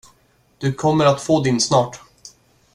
Du kommer att få din snart.